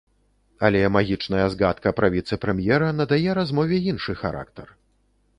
Але магічная згадка пра віцэ-прэм'ера надае размове іншы характар.